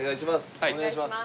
お願いします。